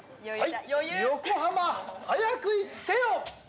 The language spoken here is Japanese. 「横浜早くイッてよ」